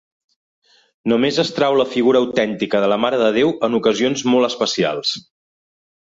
Només es trau la figura autèntica de la Mare de Déu en ocasions molt especials.